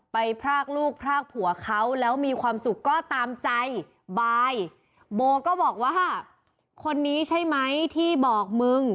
พรากลูกพรากผัวเขาแล้วมีความสุขก็ตามใจบายโบก็บอกว่าคนนี้ใช่ไหมที่บอกมึง